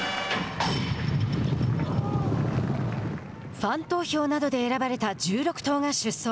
ファン投票などで選ばれた１６頭が出走。